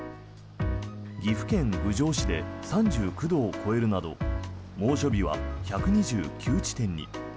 岐阜県郡上市で３９度を超えるなど猛暑日は１２９地点に。